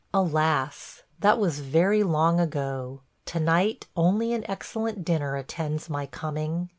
Alas! That was very long ago; to night only an excellent dinner attends my coming.